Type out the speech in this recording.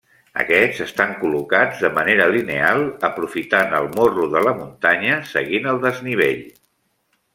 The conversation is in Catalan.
Aquests estan col·locats de manera lineal aprofitant el morro de la muntanya seguint el desnivell.